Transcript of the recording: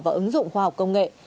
và ứng dụng khoa học công nghệ